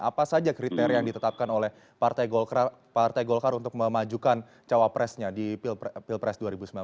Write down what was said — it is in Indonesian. apa saja kriteria yang ditetapkan oleh partai golkar untuk memajukan cawapresnya di pilpres dua ribu sembilan belas